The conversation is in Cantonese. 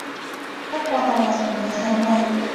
不過後來嫌佢太貴